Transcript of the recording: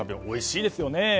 おいしいですよね。